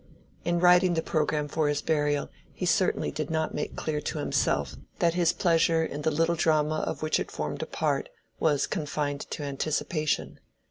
In writing the programme for his burial he certainly did not make clear to himself that his pleasure in the little drama of which it formed a part was confined to anticipation.